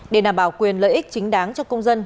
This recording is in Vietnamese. để đảm bảo quyền lợi ích chính đáng cho công dân